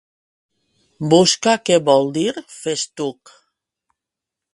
Busca què vol dir festuc.